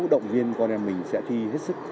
động viên con em mình sẽ thi hết sức